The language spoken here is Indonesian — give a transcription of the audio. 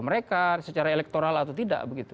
mereka secara elektoral atau tidak begitu